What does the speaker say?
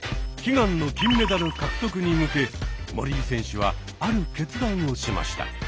悲願の金メダル獲得に向け森井選手はある決断をしました。